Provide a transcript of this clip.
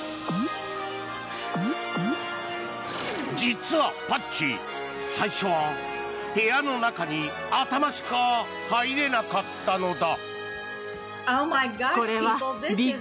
実はパッチ、最初は部屋の中に頭しか入れなかったのだ。